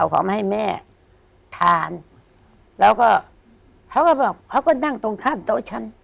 เขามาให้แม่ทานแล้วก็เขาก็บอกเขาก็นั่งตรงข้ามโต๊ะฉัน